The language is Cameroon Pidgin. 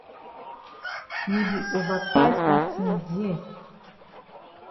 You di ova price dat tin dear.